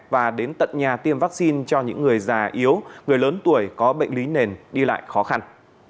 và đến tận nhà tiêm vaccine cho những người già yếu người lớn tuổi có bệnh lý nền đi lại khó khăn